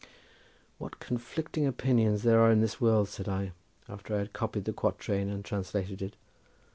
"What conflicting opinions there are in this world," said I, after I had copied the quatrain and translated it.